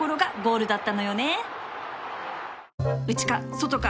外か？